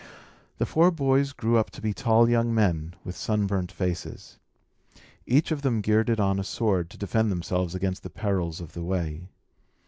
The four boys grew up to be tall young men, with sunburnt faces. Each of them girded on a sword, to defend themselves against the perils of the way.